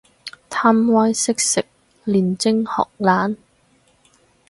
貪威識食，練精學懶